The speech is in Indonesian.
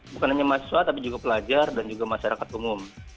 bukan hanya mahasiswa tapi juga pelajar dan juga masyarakat umum